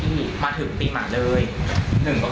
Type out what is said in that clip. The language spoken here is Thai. แต่เขาบอกว่าเขาไม่ได้เอาสุนัข